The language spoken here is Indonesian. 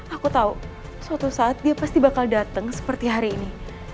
aku tahu suatu saat dia pasti bakal datang seperti hari ini